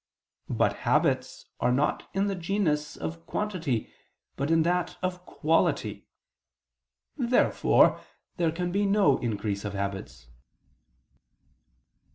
But habits are not in the genus [of] quantity, but in that of quality. Therefore there can be no increase of habits.